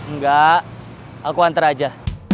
nggak aku anter aja